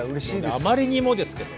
あまりにもですけど。